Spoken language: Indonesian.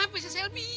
kenapa si selby